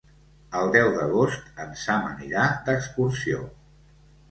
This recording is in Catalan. El deu d'agost en Sam anirà d'excursió.